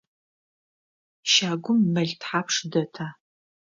Щагум мэл тхьапш дэта?